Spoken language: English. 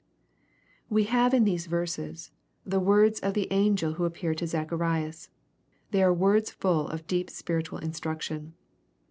Wk have, in these verses, the words of the angel who appeared to Zacharias. They are words full of deep spiritual instruction.